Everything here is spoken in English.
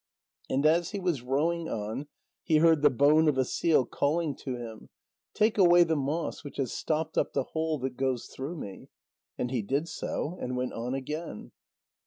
And as he was rowing on, he heard the bone of a seal calling to him: "Take away the moss which has stopped up the hole that goes through me." And he did so, and went on again.